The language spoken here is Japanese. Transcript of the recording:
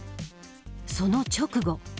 その直後。